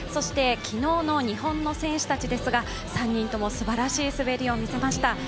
昨日の日本の選手たちですが、３人ともすばらしい滑りを見せました。